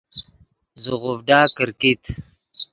زیغوڤڈا کرکیت